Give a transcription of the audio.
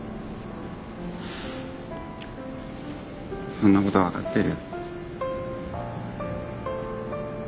そんなこと分かってる。